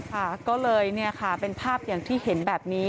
ค่ะก็เลยเป็นภาพอย่างที่เห็นแบบนี้